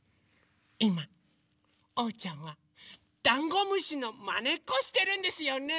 いまおうちゃんはダンゴムシのまねっこしてるんですよね。